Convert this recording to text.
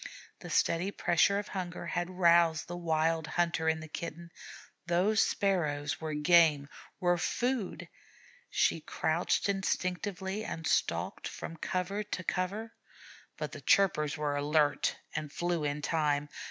The steady pressure of hunger had roused the wild hunter in the Kitten; those Sparrows were game were food. She crouched instinctively and stalked from cover to cover, but the chirpers were alert and flew in time.